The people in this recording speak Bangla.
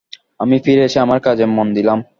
আমি ফিরে এসে আমার কাজে মন দিলাম।